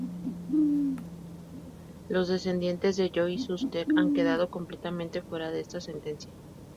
Los descendientes de Joe Shuster han quedado completamente fuera de esta sentencia.